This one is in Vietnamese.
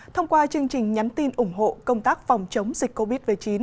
thông qua chương trình nhắn tin ủng hộ công tác phòng chống dịch covid một mươi chín